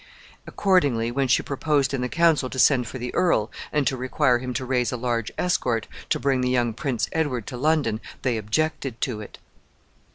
Accordingly, when she proposed in the council to send for the earl, and to require him to raise a large escort to bring the young Prince Edward to London, they objected to it.